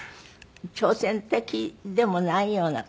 挑戦的でもないような。